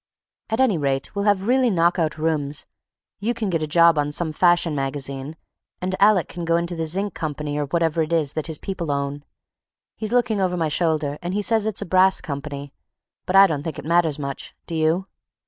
At any rate we'll have really knock out rooms—you can get a job on some fashion magazine, and Alec can go into the Zinc Company or whatever it is that his people own—he's looking over my shoulder and he says it's a brass company, but I don't think it matters much, do you?